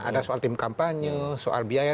ada soal tim kampanye soal biaya